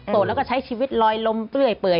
แล้วก็ใช้ชีวิตลอยลมเปื่อย